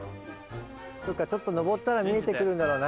そっかちょっと登ったら見えてくるんだろうな。